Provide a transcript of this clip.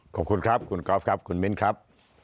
ขอบคุณครับคุณกอล์ฟครับคุณมิ้นครับ